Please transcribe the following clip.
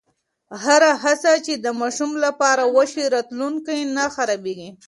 هره هڅه چې د ماشوم لپاره وشي، راتلونکی نه خرابېږي.